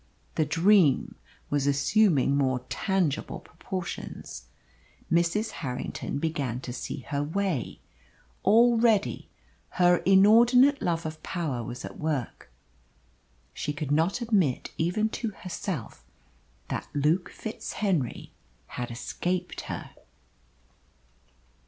The dream was assuming more tangible proportions. Mrs. Harrington began to see her way; already her inordinate love of power was at work. She could not admit even to herself that Luke FitzHenry had escaped her.